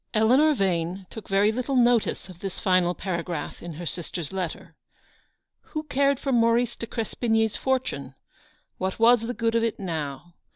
Eleanor Yane took very little notice of this final paragraph in her sister's letter. Who cared for Maurice de Crespigny's fortune ? What was the good of it now